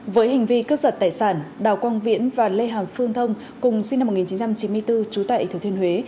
với hình vị cướp giật tài sản đào quang viễn và lê hàng phương thông cùng sinh năm một nghìn chín trăm chín mươi bốn trú tại thủy thuyên huế